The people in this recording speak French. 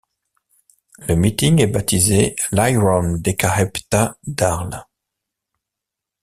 Le meeting est baptisé l'Iron decahepta d'Arles.